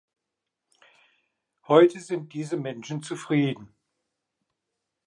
Heute sind diese Menschen zufrieden.